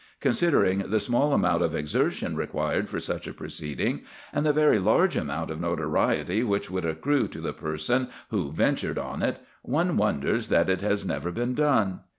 Considering the small amount of exertion required for such a proceeding, and the very large amount of notoriety which would accrue to the person who ventured on it, one wonders that it has never been done.